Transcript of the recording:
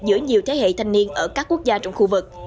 giữa nhiều thế hệ thanh niên ở các quốc gia trong khu vực